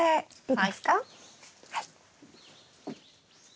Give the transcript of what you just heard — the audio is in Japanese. はい。